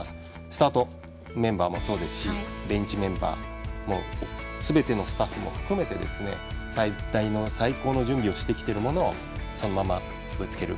スタートのメンバーもそうですしベンチメンバーもすべてのスタッフも含めて最高の準備をしてきたものをそのままぶつける。